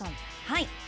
はい。